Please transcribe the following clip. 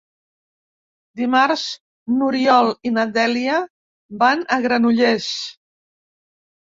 Dimarts n'Oriol i na Dèlia van a Granollers.